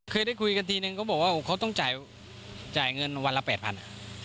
เคยได้คุยกันทีนึงเขาบอกว่าเขาต้องจ่ายเงินวันละ๘๐๐บาท